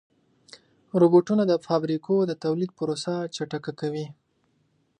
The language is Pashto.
روبوټونه د فابریکو د تولید پروسه چټکه کوي.